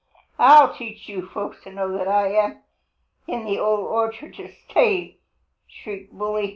"I'll teach you folks to know that I am in the Old Orchard to stay!" shrieked Bully.